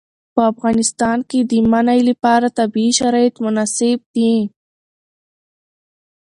په افغانستان کې د منی لپاره طبیعي شرایط مناسب دي.